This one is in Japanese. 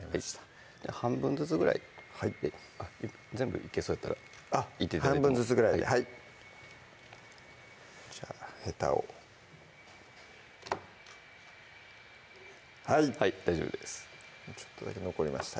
半分ずつぐらいであっ全部いけそうやったらあっ半分ずつぐらいではいじゃあへたをはいはい大丈夫ですちょっとだけ残りました